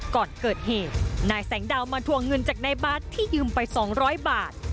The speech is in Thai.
ก่อนเกิดเหตุนายแสงดาวมาทวงเงินจากนายบาทที่ยืมไป๒๐๐บาท